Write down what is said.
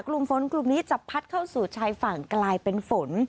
กลุ่มฝนกลุ่มนี้จะพัดเข้าสู่ชายฝั่งกลายเป็นฝน